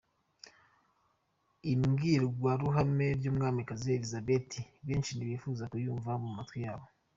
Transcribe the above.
Imbwirwaruhame y’Umwamikazi Elisabeth benshi ntibifuza kuyumva mu matwi yabo